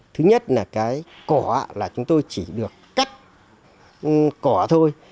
thứ nhất là cái cỏ là chúng tôi chỉ được cắt cỏ thôi